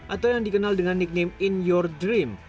atau yang dikenal dengan nickname in your dream